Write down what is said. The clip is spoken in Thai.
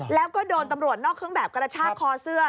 แล้วก็โดนตำรวจนอกเครื่องแบบกระชากคอเสื้อ